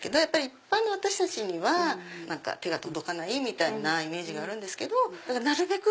一般の私たちには手が届かないイメージがあるんですけどなるべく